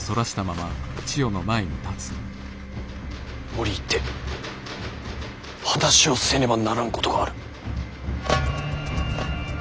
折り入って話をせねばならんことがある。